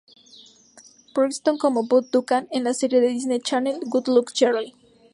Protagonizó como Bob Duncan en la serie de Disney Channel "Good Luck Charlie".